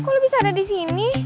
kok lu bisa ada di sini